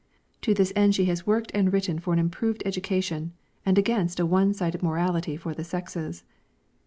To this end she has worked and written for an improved education, and against a one sided morality for the sexes.